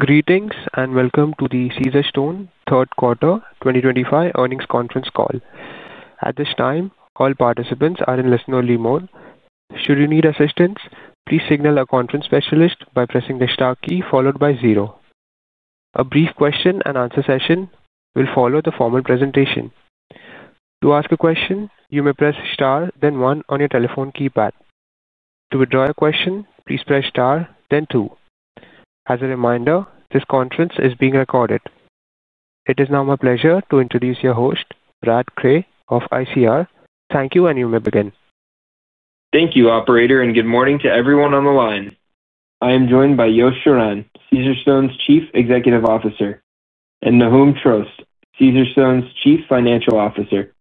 Greetings and welcome to the Caesarstone Q3 2025 Earnings Conference Call. At this time, all participants are in listener remote. Should you need assistance, please signal a conference specialist by pressing the star key followed by zero. A brief question and answer session will follow the formal presentation. To ask a question, you may press star, then one on your telephone keypad. To withdraw a question, please press star, then two. As a reminder, this conference is being recorded. It is now my pleasure to introduce your host, Brad Cray, of ICR. Thank you, and you may begin. Thank you, Operator, and good morning to everyone on the line. I am joined by Yosef Shiran, Caesarstone's Chief Executive Officer, and Nahum Trost, Caesarstone's Chief Financial Officer.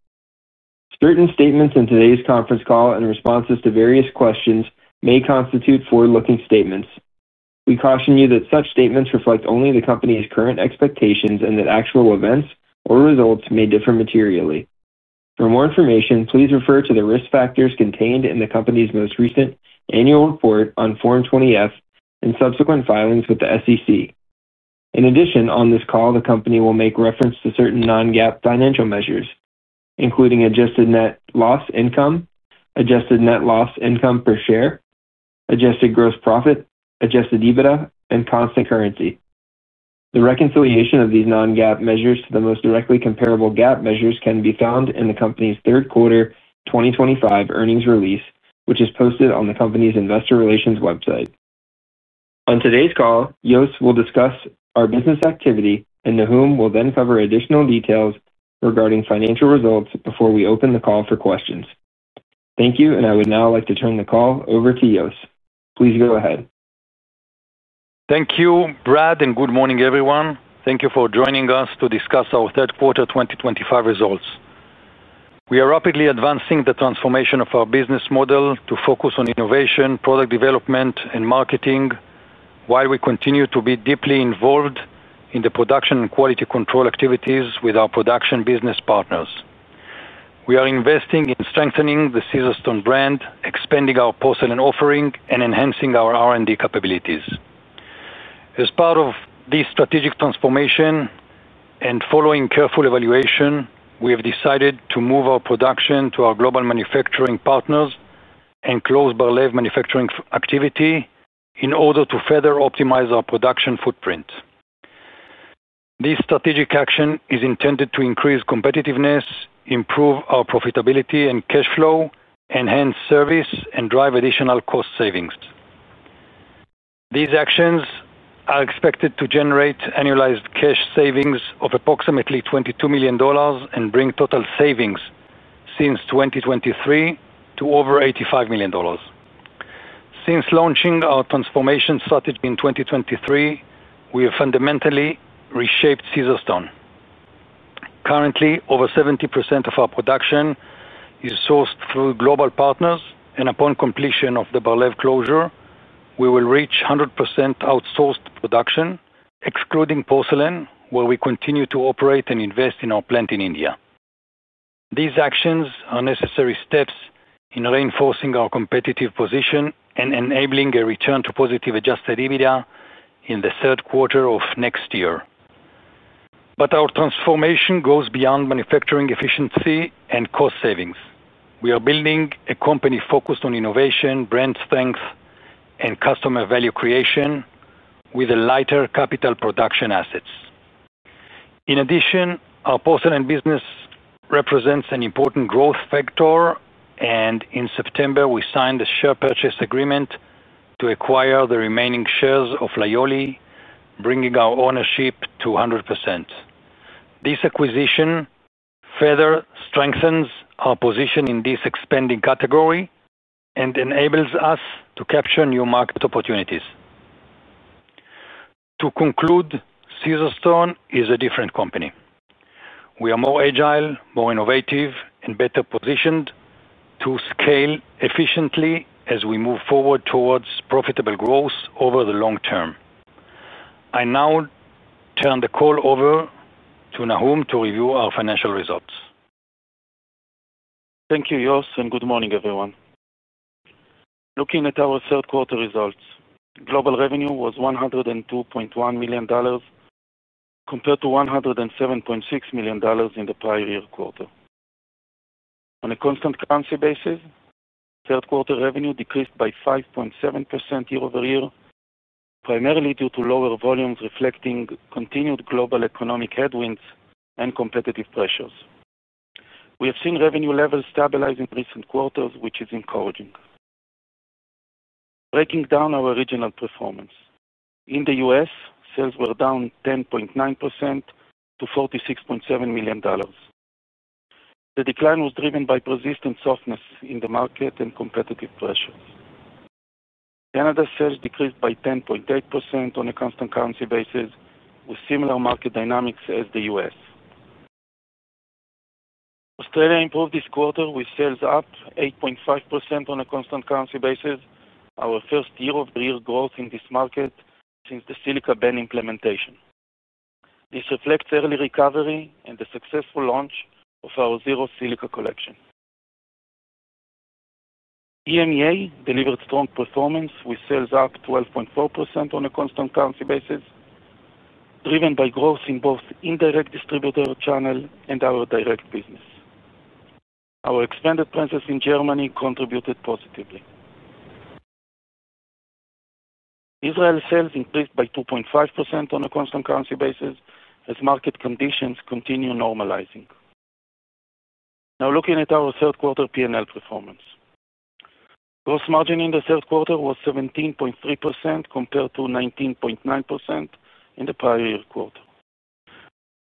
Certain statements in today's conference call and responses to various questions may constitute forward-looking statements. We caution you that such statements reflect only the company's current expectations and that actual events or results may differ materially. For more information, please refer to the risk factors contained in the company's most recent annual report on Form 20F and subsequent filings with the SEC. In addition, on this call, the company will make reference to certain non-GAAP financial measures, including adjusted net loss income, adjusted net loss income per share, adjusted gross profit, adjusted EBITDA, and constant currency. The reconciliation of these non-GAAP measures to the most directly comparable GAAP measures can be found in the company's Q3 2025 earnings release, which is posted on the company's investor relations website. On today's call, Yosef will discuss our business activity, and Nahum will then cover additional details regarding financial results before we open the call for questions. Thank you, and I would now like to turn the call over to Yosef. Please go ahead. Thank you, Brad, and good morning, everyone. Thank you for joining us to discuss our Q3 2025 results. We are rapidly advancing the transformation of our business model to focus on innovation, product development, and marketing while we continue to be deeply involved in the production and quality control activities with our production business partners. We are investing in strengthening the Caesarstone brand, expanding our personnel offering, and enhancing our R&D capabilities. As part of this strategic transformation and following careful evaluation, we have decided to move our production to our global manufacturing partners and close Bar-Lev manufacturing activity in order to further optimize our production footprint. This strategic action is intended to increase competitiveness, improve our profitability and cash flow, enhance service, and drive additional cost savings. These actions are expected to generate annualized cash savings of approximately $22 million and bring total savings since 2023 to over $85 million. Since launching our transformation strategy in 2023, we have fundamentally reshaped Caesarstone. Currently, over 70% of our production is sourced through global partners, and upon completion of the Bar-Lev closure, we will reach 100% outsourced production, excluding porcelain, where we continue to operate and invest in our plant in India. These actions are necessary steps in reinforcing our competitive position and enabling a return to positive adjusted EBITDA in the Q3 of next year. Our transformation goes beyond manufacturing efficiency and cost savings. We are building a company focused on innovation, brand strength, and customer value creation with lighter capital production assets. In addition, our porcelain business represents an important growth factor, and in September, we signed a share purchase agreement to acquire the remaining shares of Laioli, bringing our ownership to 100%. This acquisition further strengthens our position in this expanding category and enables us to capture new market opportunities. To conclude, Caesarstone is a different company. We are more agile, more innovative, and better positioned to scale efficiently as we move forward towards profitable growth over the long term. I now turn the call over to Nahum to review our financial results. Thank you, Yosef, and good morning, everyone. Looking at our Q3 results, global revenue was $102.1 million compared to $107.6 million in the prior year quarter. On a constant currency basis, Q3 revenue decreased by 5.7% year-over-year, primarily due to lower volumes reflecting continued global economic headwinds and competitive pressures. We have seen revenue levels stabilize in recent quarters, which is encouraging. Breaking down our regional performance, in the U.S., sales were down 10.9%-$46.7 million. The decline was driven by persistent softness in the market and competitive pressures. Canada sales decreased by 10.8% on a constant currency basis, with similar market dynamics as the U.S. Australia improved this quarter with sales up 8.5% on a constant currency basis, our first year-over-year growth in this market since the silica ban implementation. This reflects early recovery and the successful launch of our zero silica collection. EMEA delivered strong performance with sales up 12.4% on a constant currency basis, driven by growth in both indirect distributor channel and our direct business. Our expanded presence in Germany contributed positively. Israel sales increased by 2.5% on a constant currency basis as market conditions continue normalizing. Now, looking at our Q3 P&L performance, gross margin in the Q3 was 17.3% compared to 19.9% in the prior year quarter.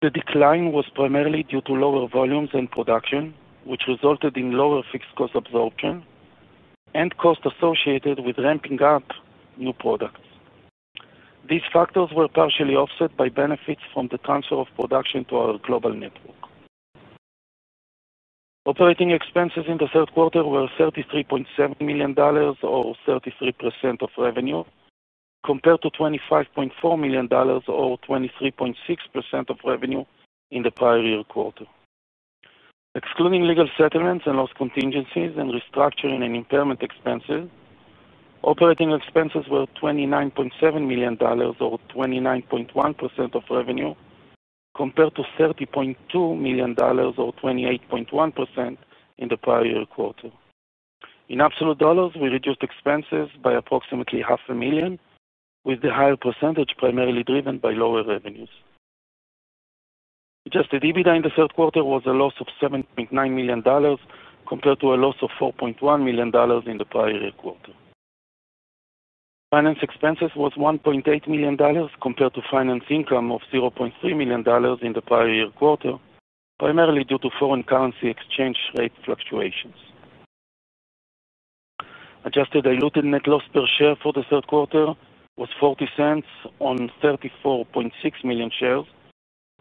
The decline was primarily due to lower volumes and production, which resulted in lower fixed cost absorption and cost associated with ramping up new products. These factors were partially offset by benefits from the transfer of production to our global network. Operating expenses in the Q3 were $33.7 million or 33% of revenue compared to $25.4 million or 23.6% of revenue in the prior year quarter. Excluding legal settlements and loss contingencies and restructuring and impairment expenses, operating expenses were $29.7 million or 29.1% of revenue compared to $30.2 million or 28.1% in the prior year quarter. In absolute dollars, we reduced expenses by approximately $500,000, with the higher percentage primarily driven by lower revenues. Adjusted EBITDA in the Q3 was a loss of $7.9 million compared to a loss of $4.1 million in the prior year quarter. Finance expenses were $1.8 million compared to finance income of $0.3 million in the prior year quarter, primarily due to foreign currency exchange rate fluctuations. Adjusted diluted net loss per share for the Q3 was $0.40 on 34.6 million shares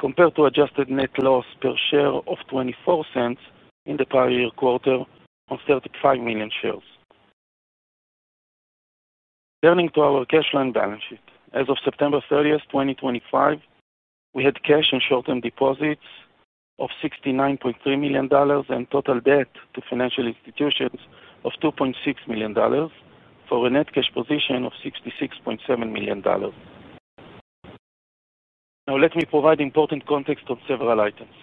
compared to adjusted net loss per share of $0.24 in the prior year quarter on 35 million shares. Turning to our cash line balance sheet, as of September 30, 2025, we had cash and short-term deposits of $69.3 million and total debt to financial institutions of $2.6 million for a net cash position of $66.7 million. Now, let me provide important context on several items.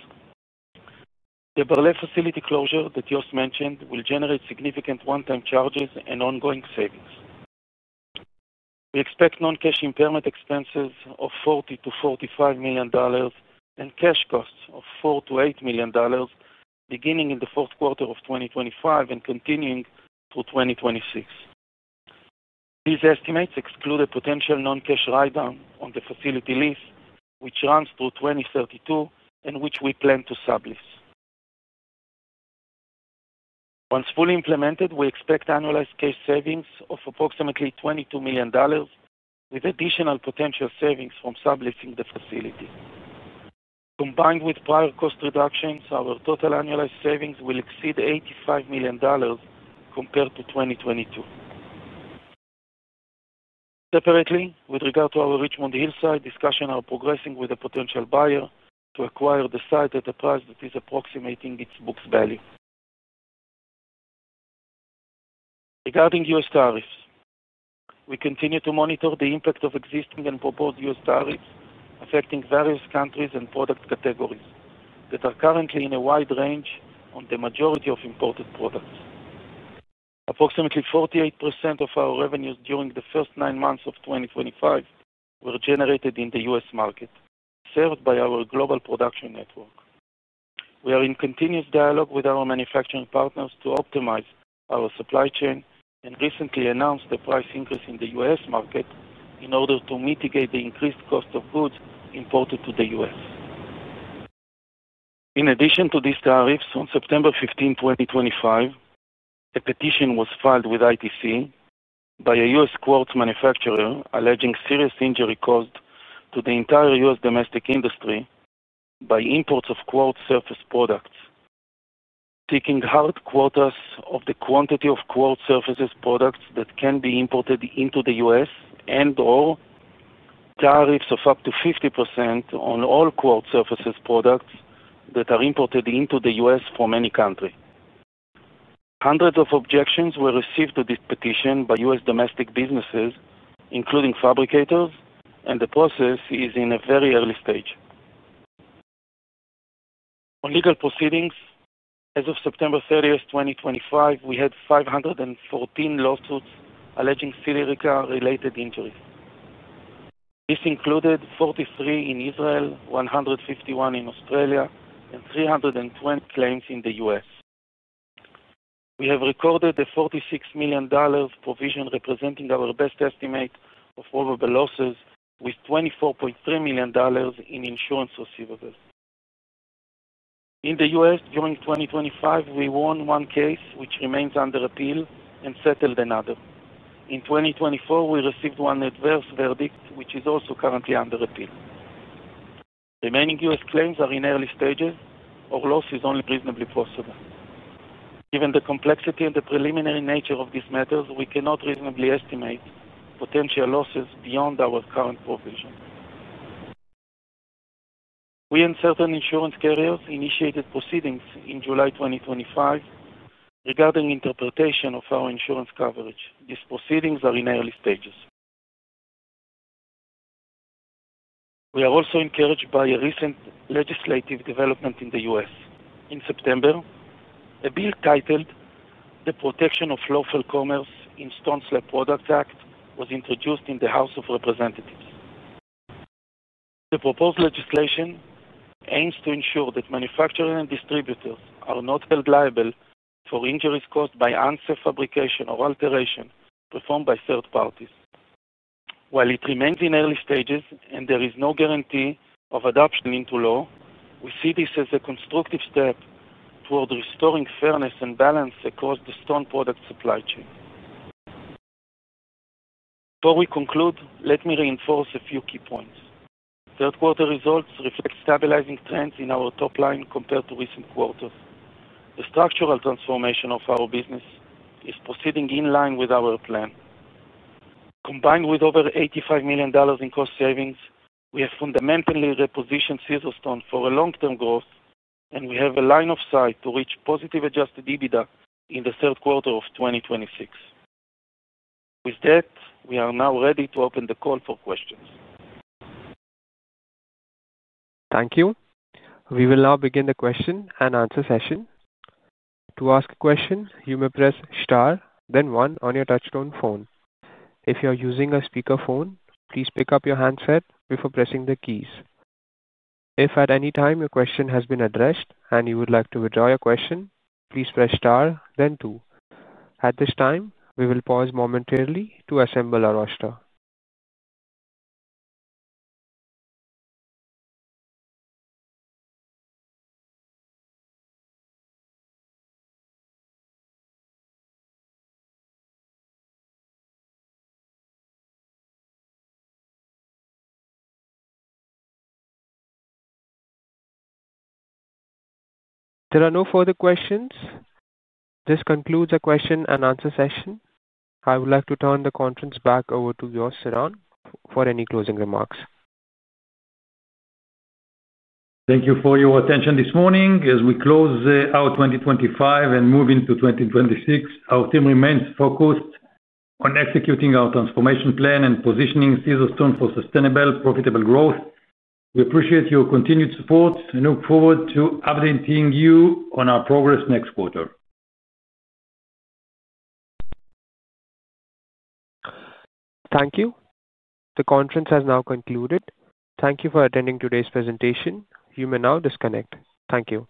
The Bar-Lev facility closure that Yosef mentioned will generate significant one-time charges and ongoing savings. We expect non-cash impairment expenses of $40-$45 million and cash costs of $4-$8 million beginning in the Q4 of 2025 and continuing through 2026. These estimates exclude a potential non-cash write-down on the facility lease, which runs through 2032 and which we plan to sublease. Once fully implemented, we expect annualized cash savings of approximately $22 million, with additional potential savings from subleasing the facility. Combined with prior cost reductions, our total annualized savings will exceed $85 million compared to 2022. Separately, with regard to our Richmond Hill site, discussions are progressing with a potential buyer to acquire the site at a price that is approximating its book value. Regarding U.S. tariffs, we continue to monitor the impact of existing and proposed U.S. tariffs affecting various countries and product categories that are currently in a wide range on the majority of imported products. Approximately 48% of our revenues during the first nine months of 2025 were generated in the U.S. market, served by our global production network. We are in continuous dialogue with our manufacturing partners to optimize our supply chain and recently announced a price increase in the U.S. market in order to mitigate the increased cost of goods imported to the U.S. In addition to these tariffs, on September 15, 2025, a petition was filed with ITC by a US quartz manufacturer alleging serious injury caused to the entire US domestic industry by imports of quartz surface products, seeking hard quotas of the quantity of quartz surface products that can be imported into the US and/or tariffs of up to 50% on all quartz surface products that are imported into the US from any country. Hundreds of objections were received to this petition by US domestic businesses, including fabricators, and the process is in a very early stage. On legal proceedings, as of September 30, 2025, we had 514 lawsuits alleging silica-related injuries. This included 43 in Israel, 151 in Australia, and 320 claims in the US. We have recorded a $46 million provision representing our best estimate of probable losses, with $24.3 million in insurance receivables. In the U.S., during 2025, we won one case, which remains under appeal, and settled another. In 2024, we received one adverse verdict, which is also currently under appeal. Remaining U.S. claims are in early stages, or loss is only reasonably possible. Given the complexity and the preliminary nature of these matters, we cannot reasonably estimate potential losses beyond our current provision. We and certain insurance carriers initiated proceedings in July 2025 regarding interpretation of our insurance coverage. These proceedings are in early stages. We are also encouraged by a recent legislative development in the U.S. In September, a bill titled "The Protection of Lawful Commerce in Stone Slab Products Act" was introduced in the House of Representatives. The proposed legislation aims to ensure that manufacturers and distributors are not held liable for injuries caused by unsafe fabrication or alteration performed by third parties. While it remains in early stages and there is no guarantee of adoption into law, we see this as a constructive step toward restoring fairness and balance across the stone product supply chain. Before we conclude, let me reinforce a few key points. Q3 results reflect stabilizing trends in our top line compared to recent quarters. The structural transformation of our business is proceeding in line with our plan. Combined with over $85 million in cost savings, we have fundamentally repositioned Caesarstone for long-term growth, and we have a line of sight to reach positive adjusted EBITDA in the Q3 of 2026. With that, we are now ready to open the call for questions. Thank you. We will now begin the question and answer session. To ask a question, you may press star, then 1 on your touch-tone phone. If you are using a speakerphone, please pick up your handset before pressing the keys. If at any time your question has been addressed and you would like to withdraw your question, please press star, then 2. At this time, we will pause momentarily to assemble our roster. There are no further questions. This concludes the question and answer session. I would like to turn the conference back over to Yosef Shiran for any closing remarks. Thank you for your attention this morning. As we close out 2025 and move into 2026, our team remains focused on executing our transformation plan and positioning Caesarstone for sustainable, profitable growth. We appreciate your continued support and look forward to updating you on our progress next quarter. Thank you. The conference has now concluded. Thank you for attending today's presentation. You may now disconnect. Thank you.